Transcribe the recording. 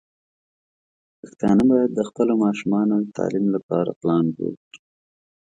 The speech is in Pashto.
پښتانه بايد د خپلو ماشومانو د تعليم لپاره پلان جوړ کړي.